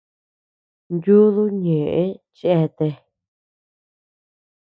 Yudú ñeʼë cheatea.